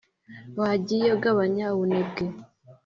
Wagiye ugabanya ubune bwe